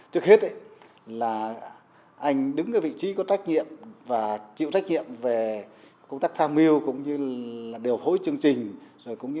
trước hết là anh đứng ở vị trí có trách nhiệm và chịu trách nhiệm về công tác tham mưu cũng như điều phối chương trình